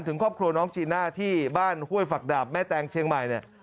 ถึงครอบครัวน้องจีน่าที่บ้านห้วยฝักดาบแม่แตงเชียงใหม่เนี่ย